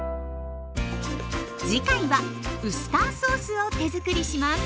次回はウスターソースを手づくりします。